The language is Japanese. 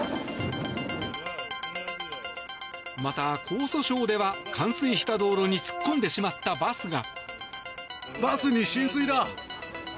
また、江蘇省では冠水した道路に突っ込んでしまったバスが。